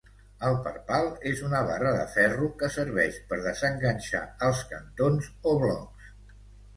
El perpal és una barra de ferro que serveix per desenganxar els cantons o blocs.